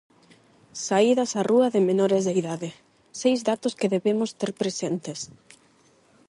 Saídas á rúa de menores de idade: seis datos que debemos ter presentes.